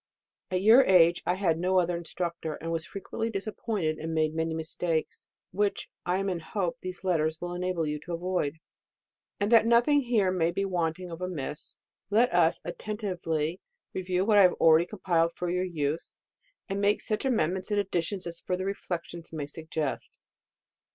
At your age, I had no other instructor ; was frequently disappointed, and made many mistakes, which I am in hope these letters will enable you to avoid. And that nothing here may be wanting of amiss, let us attentively review what I have already compiled for your use, and make such amendments and additions as further reflec tions may suggest.